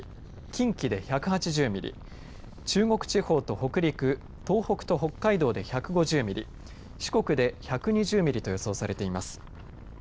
近畿で１８０ミリ中国地方と北陸東北と北海道で１５０ミリ四国で１２０ミリと予想されています。